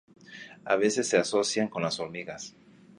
A veces se asocian con las hormigas.